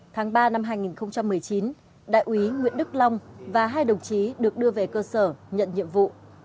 tháng ba năm hai nghìn một mươi chín đại úy nguyễn đức long và hai đồng chí được đưa về cơ sở nhận nhiệm vụ